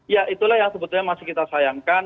ya itulah yang sebetulnya masih kita sayangkan